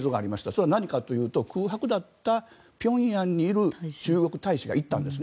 それは何かというと空白だった平壌にいる中国大使が行ったんです。